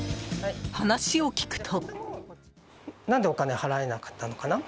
話を聞くと。